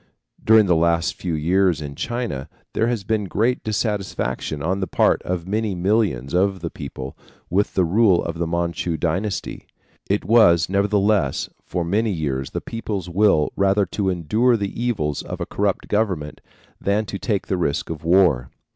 During the last few years in China there has been great dissatisfaction on the part of many millions of the people with the rule of the Manchu dynasty. It was, nevertheless, for many years the people's will rather to endure the evils of a corrupt government than to take the risk of war.